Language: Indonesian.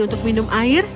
untuk minum air